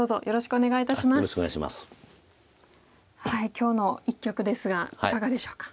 今日の一局ですがいかがでしょうか？